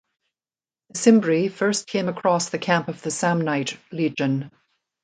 The Cimbri first came across the camp of the Samnite Legion.